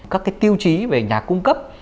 các tiêu chí về nhà cung cấp